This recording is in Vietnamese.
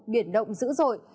biển động dữ dội